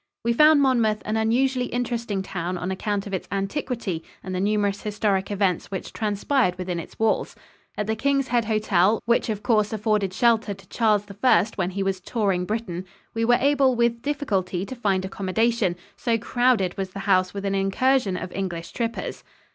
We found Monmouth an unusually interesting town on account of its antiquity and the numerous historic events which transpired within its walls. At the King's Head Hotel, which of course afforded shelter to Charles I when he was "touring" Britain, we were able with difficulty to find accommodation, so crowded was the house with an incursion of English trippers.